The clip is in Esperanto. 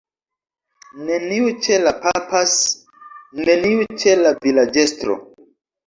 Neniu ĉe la _papas_, neniu ĉe la vilaĝestro.